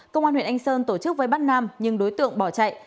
công an huyện anh sơn tổ chức với bắt nam nhưng đối tượng bỏ chạy